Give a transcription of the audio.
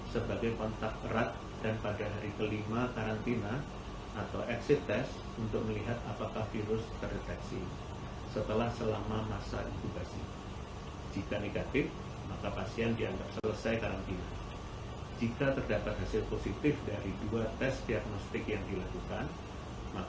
sedangkan untuk warga negara indonesia berdasarkan kebijakan yang sama